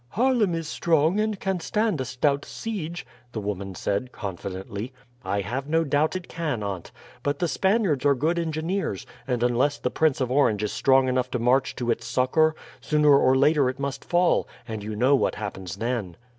"Haarlem is strong, and can stand a stout siege," the woman said confidently. "I have no doubt it can, aunt. But the Spaniards are good engineers, and unless the Prince of Orange is strong enough to march to its succour, sooner or later it must fall; and you know what happens then."